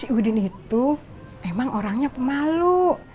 si udin itu emang orangnya pemalu